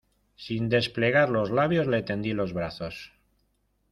sin desplegar los labios le tendí los brazos.